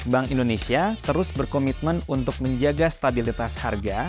bank indonesia terus berkomitmen untuk menjaga stabilitas harga